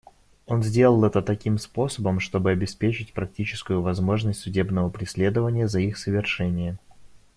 Он сделал это таким способом, чтобы обеспечить практическую возможность судебного преследования за их совершение.